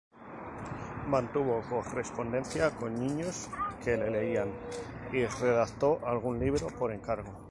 Mantuvo correspondencia con niños que le leían, y redactó algún libro por encargo.